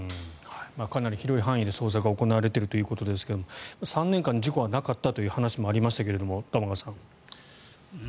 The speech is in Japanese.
かなり広い範囲で捜索は行われているということですが３年間事故がなかったという話はありましたが、玉川さん。